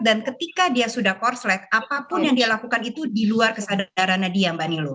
dan ketika dia sudah korslet apapun yang dia lakukan itu di luar kesadarannya dia mbak nilo